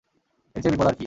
এরচেয়ে বিপদ আর কী?